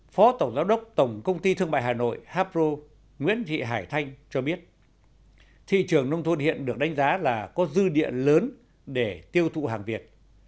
phó tổng giáo đốc tổng công ty thương mại hà nội hapro nguyễn thị hải thanh cho biết thị trường nông thôn hiện được đánh giá là có dư địa lớn để tiêu thụ hàng việt